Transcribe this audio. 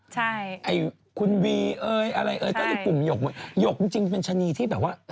ใช่ไอ้คุณวีเอยอะไรเอ่ยก็ในกลุ่มหยกจริงเป็นชะนีที่แบบว่า